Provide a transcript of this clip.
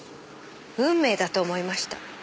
運命だと思いました。